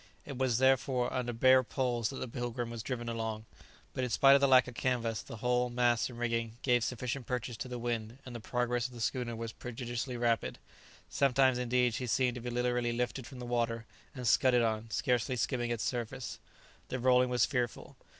It was, therefore, under bare poles that the "Pilgrim" was driven along; but in spite of the lack of canvas, the hull, masts, and rigging, gave sufficient purchase to the wind, and the progress of the schooner was prodigiously rapid; sometimes, indeed, she seemed to be literally lifted from the water, and scudded on, scarcely skimming its surface. The rolling was fearful.